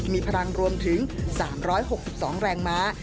มีพลังรวมถึง๓๖๒แรงม้า